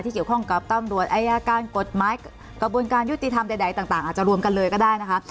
เกี่ยวข้องกับตำรวจอายการกฎหมายกระบวนการยุติธรรมใดต่างอาจจะรวมกันเลยก็ได้นะคะ